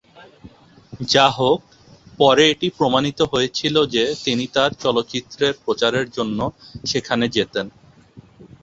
যাহোক, পরে এটি প্রমাণিত হয়েছিল যে তিনি তাঁর চলচ্চিত্রের প্রচারের জন্য সেখানে যেতেন।